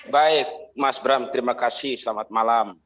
baik mas bram terima kasih selamat malam